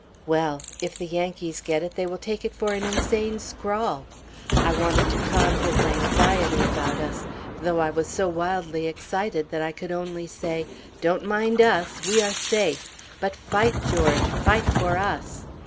Well! if the Yankees get it they will take it for an insane scrawl. I wanted to calm his anxiety about us, though I was so wildly excited that I could only say, "Don't mind us! We are safe. But fight, George! Fight for us!"